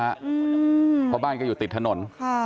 เพราะบ้านก็อยู่ติดถนน